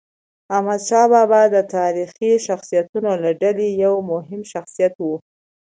احمدشاه بابا د تاریخي شخصیتونو له ډلې یو مهم شخصیت و.